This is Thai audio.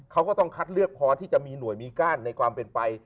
เขาก็ต้องคัดเลือกพอที่จะมีหน่วยมีก้านในความเป็นไป